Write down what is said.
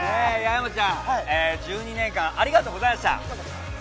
山ちゃん１２年間ありがとうございました！